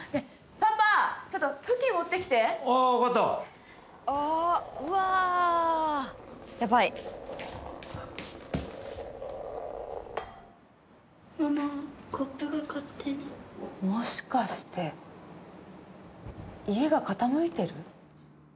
パパちょっと布巾持ってきてああ分かったママコップが勝手にもしかして家が傾いてる？